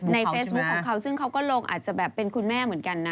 เฟซบุ๊คของเขาซึ่งเขาก็ลงอาจจะแบบเป็นคุณแม่เหมือนกันนะ